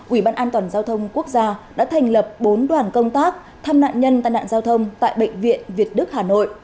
ubndgq đã thành lập bốn đoàn công tác thăm nạn nhân tai nạn giao thông tại bệnh viện việt đức hà nội